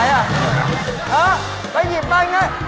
ฮะไปยิบมั่งไง